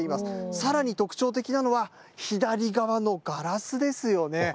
さらに特徴的なのは左側のガラスですよね。